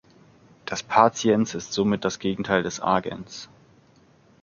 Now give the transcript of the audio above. Das Patiens ist somit das Gegenteil des Agens.